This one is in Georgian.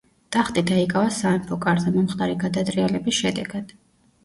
ტახტი დაიკავა სამეფო კარზე მომხდარი გადატრიალების შედეგად.